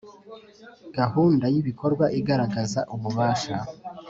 Gahunda y ibikorwa igaragaza ububasha